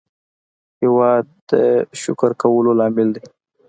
هېواد د شکر کولو لامل دی.